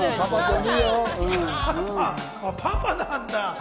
パパなんだ。